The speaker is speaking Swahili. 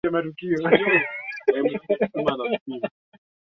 Kusini Hata hivyo ni vigumu sana kuwinda